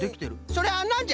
それはなんじゃ？